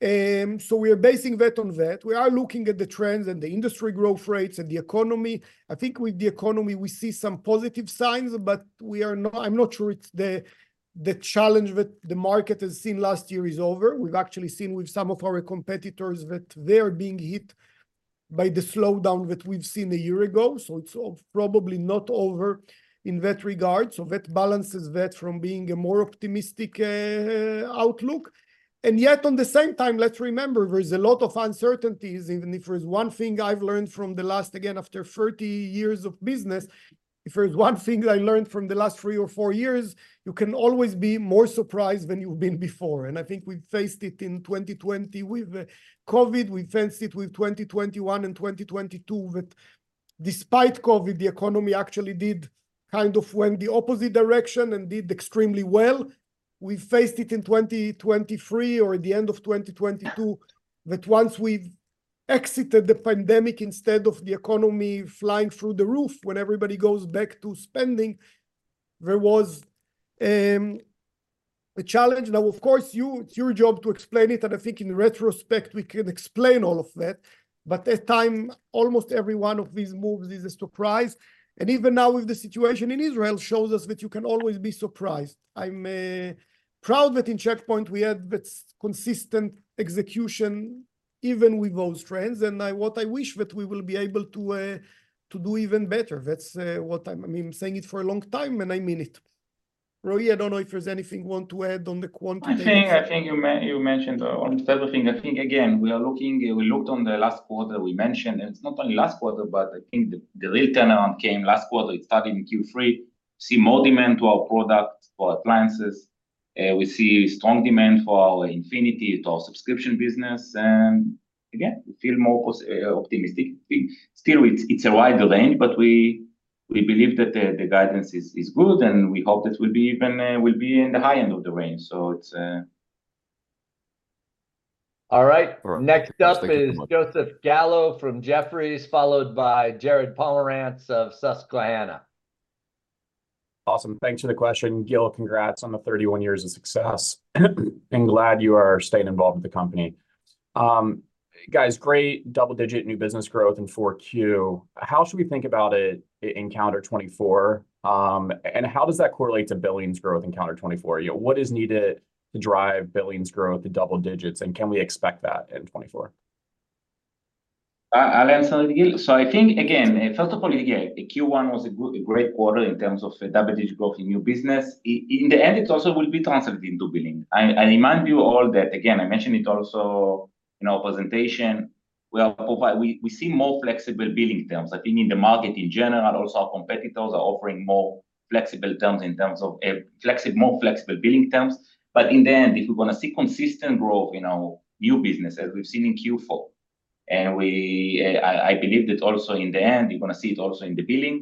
We are basing that on that. We are looking at the trends and the industry growth rates and the economy. I think with the economy, we see some positive signs, but we are not, I'm not sure it's the challenge that the market has seen last year is over. We've actually seen with some of our competitors that they are being hit by the slowdown that we've seen a year ago, so it's probably not over in that regard, so that balances that from being a more optimistic outlook. Yet, on the same time, let's remember, there is a lot of uncertainties. Even if there's one thing I've learned from the last, again, after 30 years of business, if there's one thing I learned from the last 3 or 4 years, you can always be more surprised than you've been before. I think we faced it in 2020 with COVID, we faced it with 2021 and 2022, that despite COVID, the economy actually did kind of went the opposite direction and did extremely well. We faced it in 2023 or the end of 2022, that once we've exited the pandemic, instead of the economy flying through the roof when everybody goes back to spending, there was a challenge. Now, of course, it's your job to explain it, and I think in retrospect, we can explain all of that, but at the time, almost every one of these moves is a surprise. Even now with the situation in Israel shows us that you can always be surprised. I'm proud that in Check Point we had that consistent execution even with those trends, and what I wish that we will be able to do even better. That's what I'm saying it for a long time, and I mean it. Roei, I don't know if there's anything you want to add on the quantitative- I think you mentioned almost everything. I think, again, we are looking, we looked on the last quarter, we mentioned, and it's not only last quarter, but I think the real turnaround came last quarter. It started in Q3. We see more demand to our product, for appliances, we see strong demand for our Infinity, to our subscription business, and again, we feel more optimistic. Still, it's a wide range, but we believe that the guidance is good, and we hope this will be even, will be in the high end of the range, so it's. All right. Right. Thank you very much. Next up is Joseph Gallo from Jefferies, followed by Jared Pomerantz of Susquehanna. Awesome. Thanks for the question. Gil, congrats on the 31 years of success, and glad you are staying involved with the company. Guys, great double-digit new business growth in 4Q. How should we think about it in calendar 2024, and how does that correlate to billings growth in calendar 2024? You know, what is needed to drive billings growth in double digits, and can we expect that in 2024? I'll answer that, Gil. I think again, first of all, yeah, Q1 was a great quarter in terms of double-digit growth in new business. In the end, it also will be translated into billing. I remind you all that, again, I mentioned it also in our presentation, we see more flexible billing terms. I think in the market in general, also our competitors are offering more flexible terms in terms of more flexible billing terms, but in the end, if we're gonna see consistent growth in our new business, as we've seen in Q4, and I believe that also in the end, you're gonna see it also in the billing.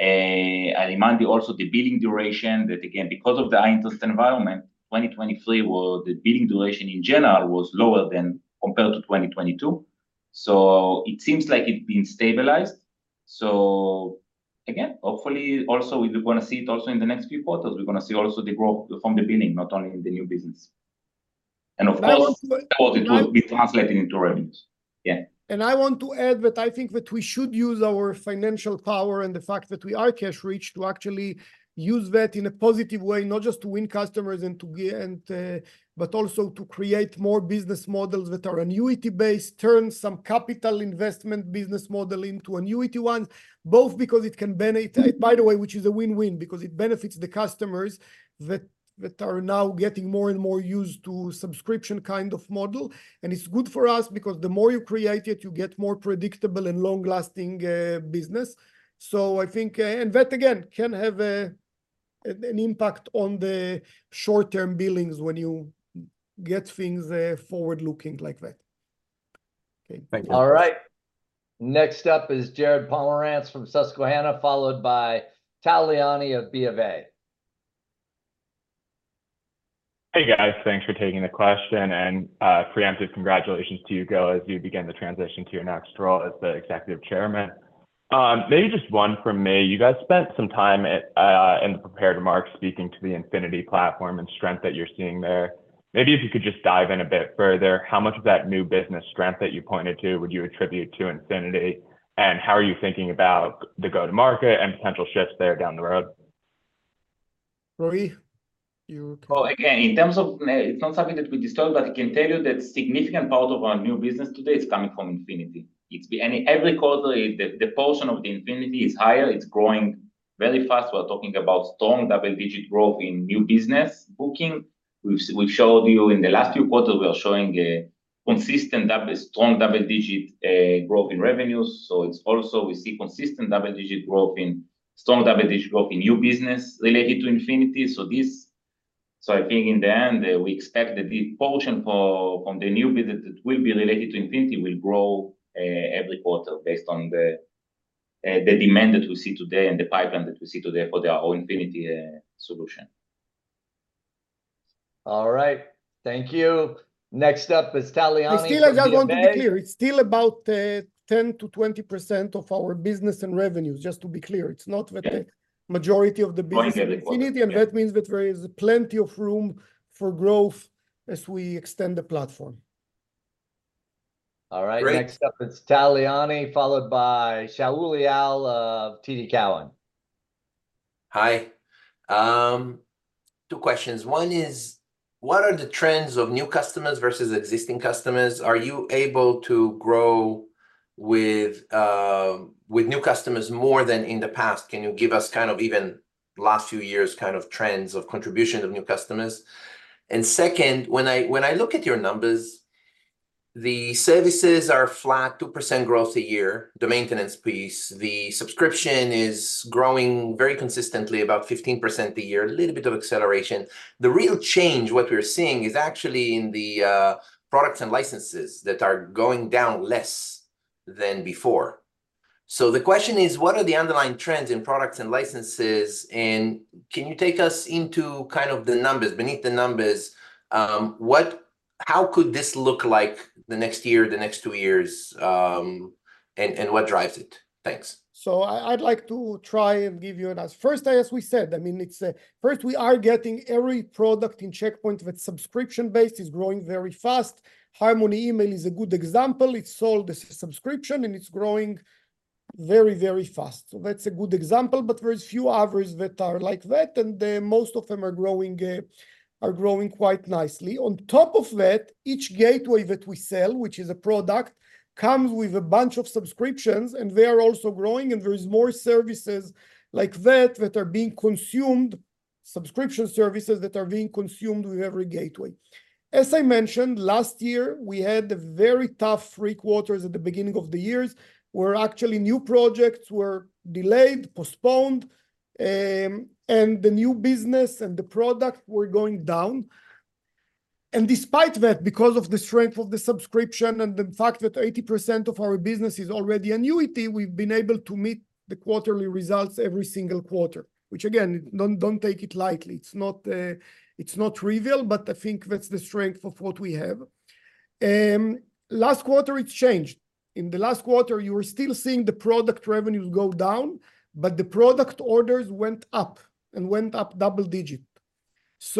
I remind you also the billing duration, that again, because of the high interest environment, 2023 was, the billing duration in general, was lower than compared to 2022. It seems like it's been stabilized. Again, hopefully also we are gonna see it also in the next few quarters, we're gonna see also the growth from the billing, not only in the new business. Of course. I want. It will be translating into revenues. Yeah. I want to add that I think that we should use our financial power and the fact that we are cash-rich, to actually use that in a positive way, not just to win customers and but also to create more business models that are annuity-based. Turn some capital investment business model into annuity ones, both because it can benefit, by the way, which is a win-win, because it benefits the customers that are now getting more and more used to subscription kind of model. It's good for us, because the more you create it, you get more predictable and long-lasting business. I think. That, again, can have an impact on the short-term billings when you get things forward-looking like that. Okay. Thank you. All right. Next up is Jared Pomerantz from Susquehanna, followed by Tal Liani of BofA. Hey, guys. Thanks for taking the question, and preemptive congratulations to you, Gil, as you begin the transition to your next role as the executive chairman. Maybe just one from me. You guys spent some time at in the prepared remarks, speaking to the Infinity platform and strength that you're seeing there. Maybe if you could just dive in a bit further, how much of that new business strength that you pointed to would you attribute to Infinity, and how are you thinking about the go-to-market and potential shifts there down the road? Roei, you talk. Well, again, in terms of, it's not something that we discussed, but I can tell you that significant part of our new business today is coming from Infinity. It's and every quarter, the portion of the Infinity is higher, it's growing very fast. We're talking about strong double-digit growth in new business booking. We've we've showed you in the last few quarters, we are showing a consistent double, strong double-digit growth in revenues. It's also we see consistent double-digit growth in strong double-digit growth in new business related to Infinity. This, so I think in the end, we expect that the portion for from the new business that will be related to Infinity will grow every quarter based on the the demand that we see today and the pipeline that we see today for the our Infinity solution. All right, thank you. Next up is Tal Liani from TD Cowen. Still, I just want to be clear, it's still about 10%-20% of our business and revenues, just to be clear. Okay. It's not that the majority of the business infinity, and that means that there is plenty of room for growth as we extend the platform. All right. Great. Next up, it's Tal Liani, followed by Shaul Eyal of TD Cowen. Hi. Two questions. One is, what are the trends of new customers versus existing customers? Are you able to grow with, with new customers more than in the past? Can you give us kind of even last few years kind of trends of contribution of new customers? And second, when I look at your numbers, the services are flat, 2% growth a year, the maintenance piece. The subscription is growing very consistently, about 15% a year, a little bit of acceleration. The real change, what we're seeing, is actually in the, products and licenses that are going down less than before. The question is, what are the underlying trends in products and licenses, and can you take us into kind of the numbers, beneath the numbers? How could this look like the next year, the next two years? What drives it? Thanks. First, as we said, first every product in Check Point that's subscription-based is growing very fast. Harmony Email is a good example. It's sold as a subscription, and it's growing very, very fast, so that's a good example, but there's few others that are like that, and most of them are growing quite nicely. On top of that, each gateway that we sell, which is a product, comes with a bunch of subscriptions, and they are also growing, and there is more services like that that are being consumed, subscription services that are being consumed with every gateway. As I mentioned, last year, we had a very tough three quarters at the beginning of the years, where actually new projects were delayed, postponed, and the new business and the product were going down. Despite that, because of the strength of the subscription and the fact that 80% of our business is already annuity, we've been able to meet the quarterly results every single quarter, which again, don't, don't take it lightly. It's not, it's not trivial, but I think that's the strength of what we have. Last quarter, it changed. In the last quarter, you were still seeing the product revenues go down, but the product orders went up, and went up double digit.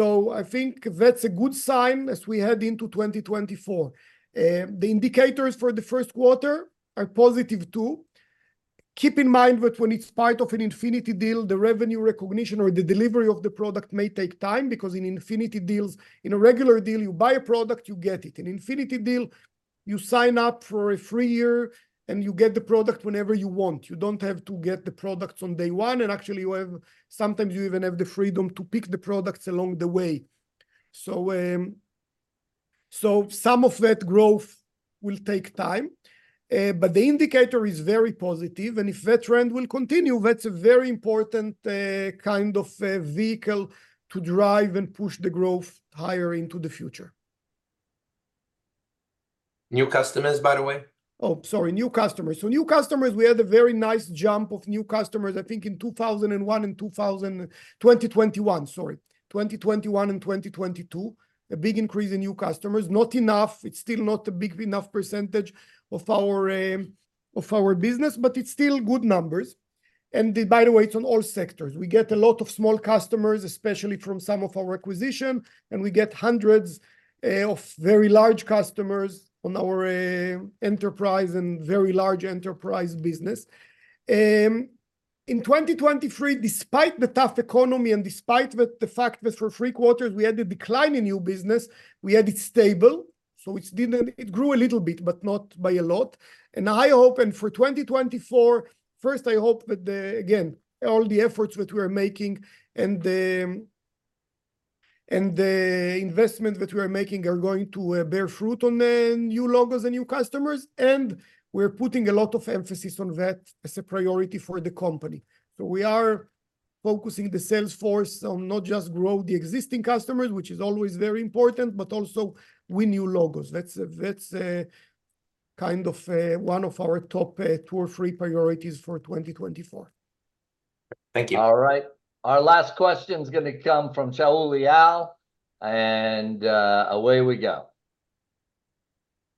I think that's a good sign as we head into 2024. The indicators for the first quarter are positive, too. Keep in mind that when it's part of an Infinity deal, the revenue recognition or the delivery of the product may take time, because in Infinity deals, in a regular deal, you buy a product, you get it. In Infinity deal, you sign up for a free year, and you get the product whenever you want. You don't have to get the products on day one, and actually, you have, sometimes you even have the freedom to pick the products along the way, so some of that growth will take time, but the indicator is very positive, and if that trend will continue, that's a very important, kind of a vehicle to drive and push the growth higher into the future. New customers, by the way? Oh, sorry, new customers. New customers, we had a very nice jump of new customers, I think in 2001 and 2000, 2021, sorry. 2021 and 2022, a big increase in new customers. Not enough, it's still not a big enough percentage of our, of our business, but it's still good numbers. By the way, it's on all sectors. We get a lot of small customers, especially from some of our acquisition, and we get hundreds of very large customers on our enterprise and very large enterprise business. In 2023, despite the tough economy and despite the fact that for three quarters we had a decline in new business, we had it stable, so it grew a little bit, but not by a lot. I hope, and for 2024, first, I hope that the, again, all the efforts that we are making and the, and the investment that we are making are going to bear fruit on the new logos and new customers, and we're putting a lot of emphasis on that as a priority for the company. We are focusing the sales force on not just grow the existing customers, which is always very important, but also win new logos. That's kind of one of our top two or three priorities for 2024. Thank you. All right, our last question's gonna come from Shaul Eyal, and away we go.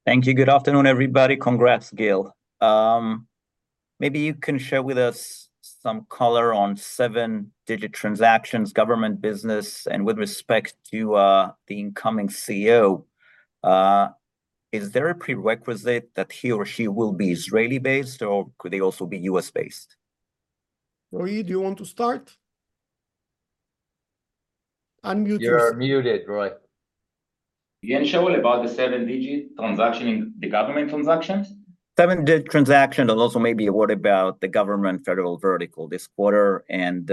Thank you. Good afternoon, everybody. Congrats, Gil. Maybe you can share with us some color on seven-digit transactions, government business, and with respect to the incoming CEO, is there a prerequisite that he or she will be Israeli-based, or could they also be US-based? Roei, do you want to start? Unmute yourself. You're muted, Roi. Again, Shaul, about the seven-digit transaction in the government transactions? Seven-digit transactions, and also maybe a word about the government federal vertical this quarter, and,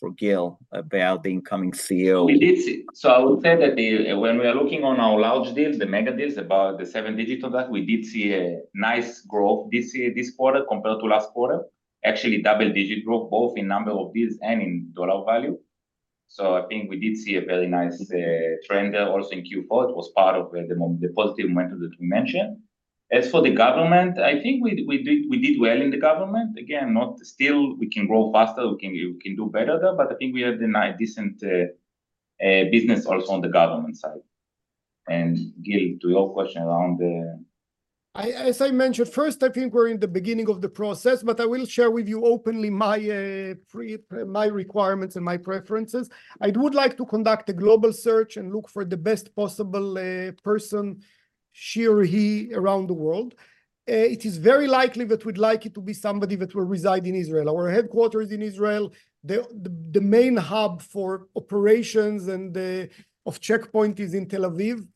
for Gil, about the incoming CEO. We did see. I would say that the, when we are looking on our large deals, the mega deals, about the seven-digit on that, we did see a nice growth this year, this quarter compared to last quarter. Actually, double-digit growth, both in number of deals and in dollar value. I think we did see a very nice trend there also in Q4. It was part of the positive momentum that we mentioned. As for the government, I think we did well in the government. Again, not. Still, we can grow faster, we can do better there, but I think we had a nice, decent business also on the government side. Gil, to your question around the- As I mentioned, first, I think we're in the beginning of the process, but I will share with you openly my requirements and my preferences. I would like to conduct a global search and look for the best possible person, she or he, around the world. It is very likely that we'd like it to be somebody that will reside in Israel. Our headquarters in Israel, the main hub for operations and of Check Point is in Tel Aviv,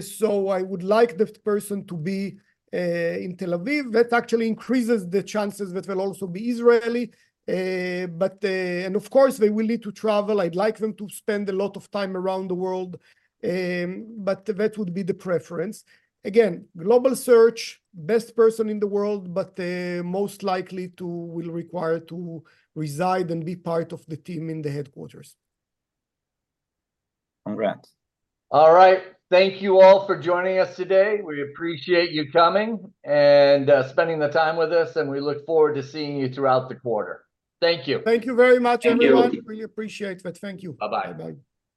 so I would like the person to be in Tel Aviv. That actually increases the chances that they'll also be Israeli. Of course, they will need to travel. I'd like them to spend a lot of time around the world, but that would be the preference. Again, global search, best person in the world, but most likely to will require to reside and be part of the team in the headquarters. Congrats. All right. Thank you all for joining us today. We appreciate you coming and, spending the time with us, and we look forward to seeing you throughout the quarter. Thank you. Thank you very much, everyone. Thank you. Really appreciate it. Thank you. Bye-bye. Bye-bye.